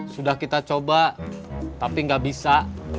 sudah kita coba tapi nggak bisa